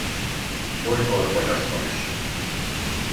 Olykor fogyasztom is!